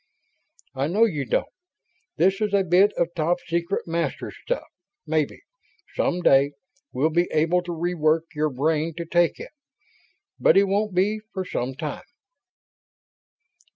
"I know you don't. This is a bit of top secret Masters' stuff. Maybe, some day, we'll be able to re work your brain to take it. But it won't be for some time."